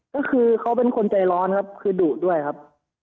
ก็คือเขาเป็นคนใจร้อนครับคือดุด้วยครับ